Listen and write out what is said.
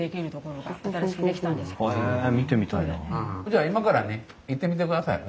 じゃあ今からね行ってみてください。